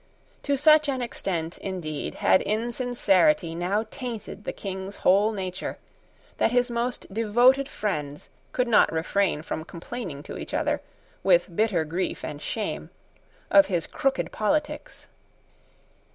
To such an extent, indeed, had insincerity now tainted the King's whole nature, that his most devoted friends could not refrain from complaining to each other, with bitter grief and shame, of his crooked politics.